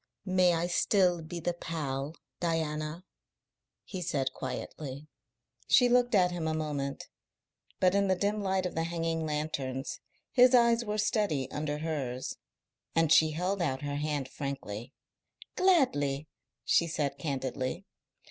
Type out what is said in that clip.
"May I still be the pal, Diana?" he said quietly. She looked at him a moment, but in the dim light of the hanging lanterns his eyes were steady under hers, and she held out her hand frankly. "Gladly," she said candidly.